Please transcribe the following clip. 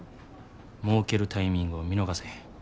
もうけるタイミングを見逃せへん。